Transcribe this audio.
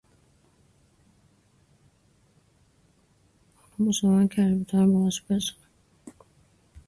آنها مصمماند هرجوری که بتوانند به او آسیب برسانند.